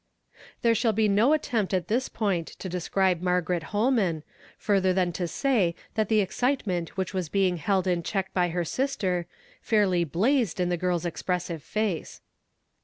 There shall be no attempt at this point to de scribe Margaret Holman, further than to say that the excitement which was being held in check by her sister fairly blazed in the girl's expressive face.